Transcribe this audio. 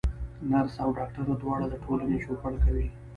نرس او ډاکټر دواړه د ټولني چوپړ کوي.